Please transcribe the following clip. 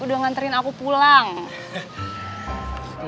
udah nganterin aku pulang